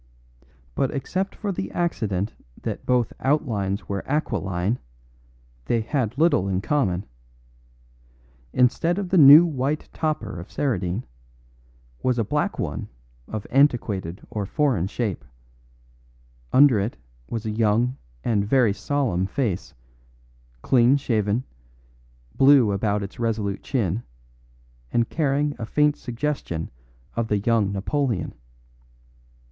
But except for the accident that both outlines were aquiline, they had little in common. Instead of the new white topper of Saradine, was a black one of antiquated or foreign shape; under it was a young and very solemn face, clean shaven, blue about its resolute chin, and carrying a faint suggestion of the young Napoleon.